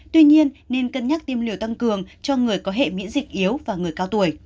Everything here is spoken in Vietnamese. tuy nhiên nên cân nhắc tiêm liều tăng cường cho người có hệ miễn dịch yếu và người cao tuổi